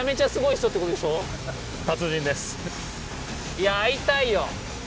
いや会いたいよ！